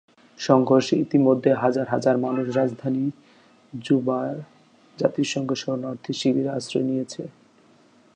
সংঘর্ষে ইতিমধ্যে হাজার হাজার মানুষ রাজধানী জুবায় জাতিসংঘের শরণার্থী শিবিরে আশ্রয় নিয়েছে।